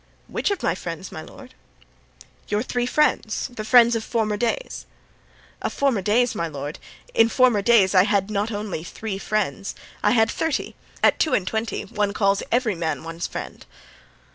"Which of my friends, my lord?" "Your three friends—the friends of former days." "Of former days, my lord! In former days I had not only three friends, I had thirty; at two and twenty one calls every man one's friend."